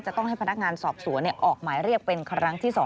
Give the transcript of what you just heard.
จะต้องให้พนักงานสอบสวนออกหมายเรียกเป็นครั้งที่๒